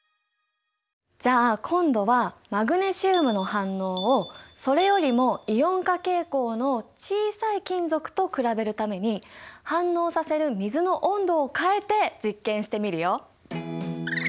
じゃあ今度はマグネシウムの反応をそれよりもイオン化傾向の小さい金属と比べるために反応させる水の温度を変えて実験してみるよ。